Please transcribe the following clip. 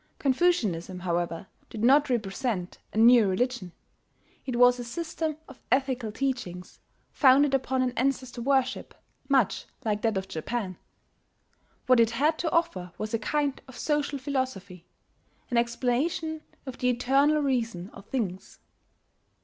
Confucianism, however, did not represent a new religion: it was a system of ethical teachings founded upon an ancestor worship much like that of Japan. What it had to offer was a kind of social philosophy, an explanation of the eternal reason of things.